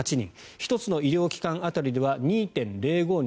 １つの医療機関当たりでは２．０５人